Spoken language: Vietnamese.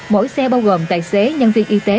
mỗi xe bao gồm tài xế nhân viên y tế